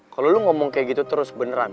kalau lu ngomong kayak gitu terus beneran